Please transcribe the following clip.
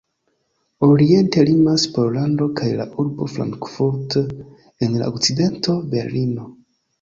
Oriente limas Pollando kaj la urbo Frankfurt, en la okcidento Berlino.